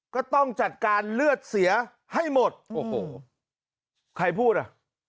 ก็ต้องจัดการเลือดเสียให้หมดโอ้โหใครพูดอ่ะ